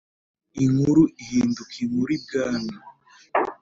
inkuru ihinduka inkuru ibwami